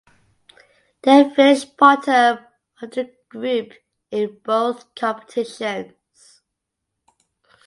They finished bottom of their group in both competitions.